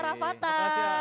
terima kasih arafatah